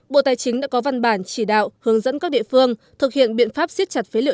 bộ tài chính đã có văn bản chỉ đạo hướng dẫn các địa phương thực hiện biện pháp siết chặt phế liệu